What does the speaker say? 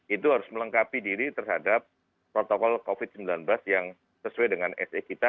itu harus melengkapi diri terhadap protokol covid sembilan belas yang sesuai dengan se kita